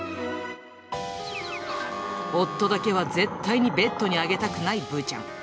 夫だけは絶対にベッドに上げたくないぶーちゃん。